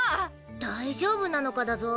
大丈夫なのかだゾ？